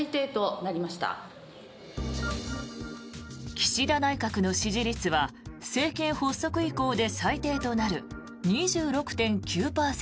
岸田内閣の支持率は政権発足以降で最低となる２６．９％。